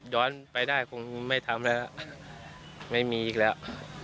ย้อนไปได้คงไม่ทำแล้วไม่มีอีกแล้ว